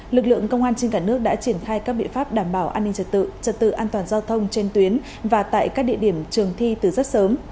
lực lượng công an trên cả nước đã triển khai các biện pháp đảm bảo an ninh trật tự trật tự an toàn giao thông trên tuyến và tại các địa điểm trường thi từ rất sớm